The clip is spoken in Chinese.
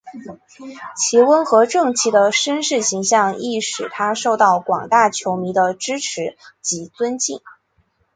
其温和正气的绅士形象亦使他受到广大球迷的支持及尊敬。